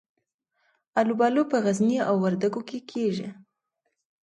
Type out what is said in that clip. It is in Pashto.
الوبالو په غزني او وردګو کې کیږي.